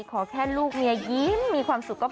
ขอแค่ลูกเมียยิ้มมีความสุขก็พอ